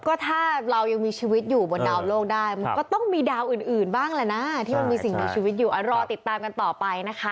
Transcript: ก็ถ้าเรายังมีชีวิตอยู่บนดาวโลกได้มันก็ต้องมีดาวอื่นบ้างแหละนะที่มันมีสิ่งมีชีวิตอยู่รอติดตามกันต่อไปนะคะ